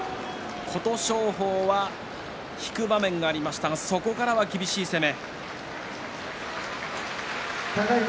琴勝峰は引く場面がありましたがそこからは厳しい攻め。